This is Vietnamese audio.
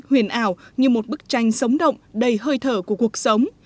huyền ảo như một bức tranh sống động đầy hơi thở của cuộc sống